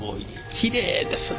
きれいですね